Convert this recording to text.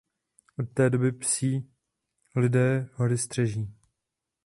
Od té doby psí lidé hory střeží.